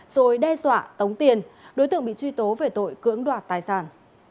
rồi đe dọa tống tiền đối tượng bị truy tố về tội cưỡng đoạt tài sản